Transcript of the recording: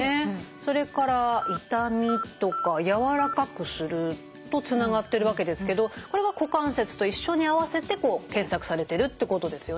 それから「痛み」とか「柔らかくする」とつながってるわけですけどこれが「股関節」と一緒にあわせて検索されてるってことですよね？